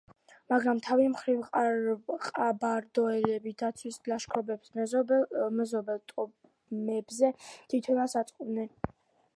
მაგრამ, თავის მხრივ, ყაბარდოელები ძარცვით ლაშქრობებს მეზობელ ტომებზე თვითონაც აწყობდნენ.